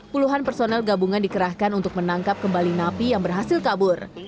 puluhan personel gabungan dikerahkan untuk menangkap kembali napi yang berhasil kabur